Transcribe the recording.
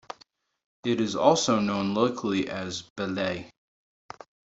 It is also known locally as "Belait".